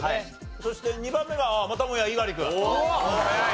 そして２番目がまたもや猪狩君。